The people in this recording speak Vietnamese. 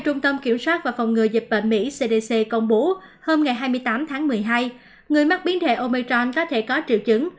trung quốc và phòng ngừa dịch bệnh mỹ cdc công bố hôm hai mươi tám tháng một mươi hai người mắc biến thể omicron có thể có triệu chứng